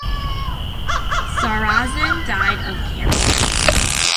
Sarrazin died of cancer.